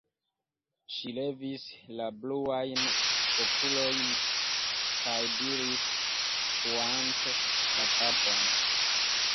Ŝi levis la bluajn okulojn kaj diris, skuante la kapon: